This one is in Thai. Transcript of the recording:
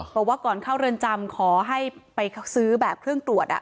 บอกว่าก่อนเข้าเรือนจำขอให้ไปซื้อแบบเครื่องตรวจ